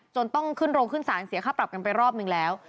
ต้องขึ้นโรงขึ้นศาลเสียค่าปรับกันไปรอบนึงแล้ว